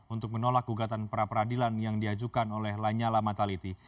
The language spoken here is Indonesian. untuk menolak gugatan perapradilan yang diajukan oleh lanyala mataliti